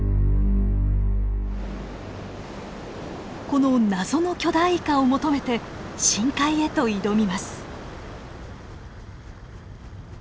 この謎の巨大イカを求めて深海へと挑みます。